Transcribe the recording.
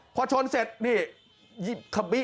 พอชนเสร็จนี่